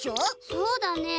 そうだねえ。